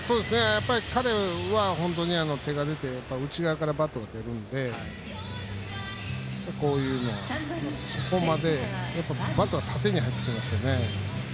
彼は、本当に手が出て内側からバットが出るのでこういうのは、そこまでバットが縦に入ってきますよね。